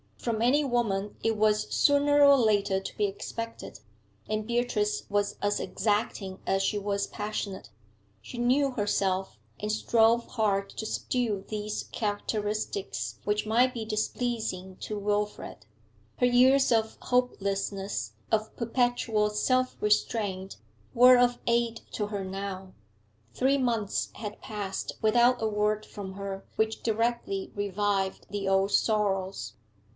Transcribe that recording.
From any woman it was sooner or later to be expected, and Beatrice was as exacting as she was passionate. She knew herself, and strove hard to subdue these characteristics which might be displeasing to Wilfrid; her years of hopelessness, of perpetual self restraint, were of aid to her now; three months had passed without a word from her which directly revived the old sorrows.